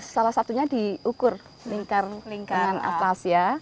salah satunya diukur lingkaran atas ya